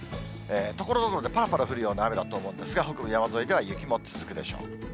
ところどころで、ぱらぱらと降るような雨だと思うんですが、北部の山沿いでは雪も続くでしょう。